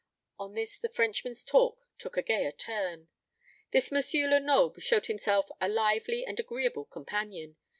On this the Frenchman's talk took a gayer turn. This M. Lenoble showed himself a lively and agreeable companion.